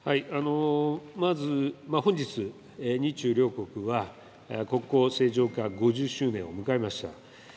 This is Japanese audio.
まず、本日、日中両国は国交正常化５０周年を迎えました。